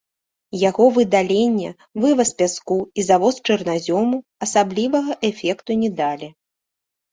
Яго выдаленне, вываз пяску і завоз чарназёму асаблівага эфекту не далі.